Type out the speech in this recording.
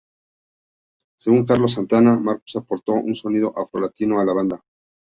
Según Carlos Santana, Marcus aporto un sonido afro-latino a la banda.